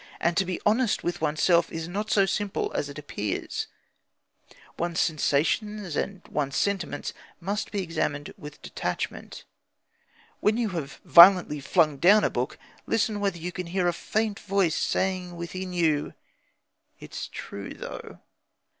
And to be honest with oneself is not so simple as it appears. One's sensations and one's sentiments must be examined with detachment. When you have violently flung down a book, listen whether you can hear a faint voice saying within you: "It's true, though!"